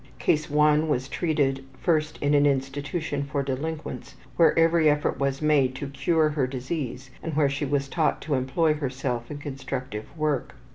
Case 1 was treated first in an institution for delinquents where every effort was made to cure her disease and where she was taught to employ herself in constructive work.